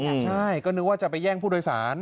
ใช่ก็นึกว่าจะไปแย่งผู้โดยสาร